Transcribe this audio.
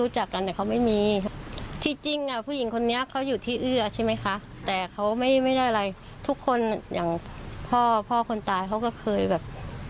ใช่ไหมคะแต่เขาไม่ได้อะไรทุกคนอย่างพ่อคนตายเขาก็เคยแบบ